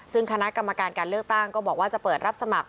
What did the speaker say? ซึ่งคณะกรรมการการเลือกตั้งก็บอกว่าจะเปิดรับสมัคร